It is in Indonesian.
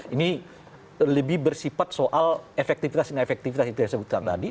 ini lebih bersifat soal efektivitas dan efektivitas itu yang saya sebutkan tadi